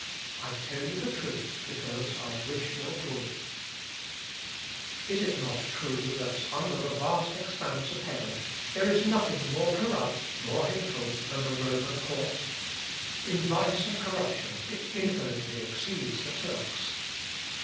I tell you the truth because I wish your good. [Sidenote: LUTHER'S LETTER TO THE POPE.] "Is it not true, that, under the vast expanse of heaven there is nothing more corrupt, more hateful, than the Roman Court? In vice and corruption it infinitely exceeds the Turks.